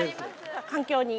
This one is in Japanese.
環境に。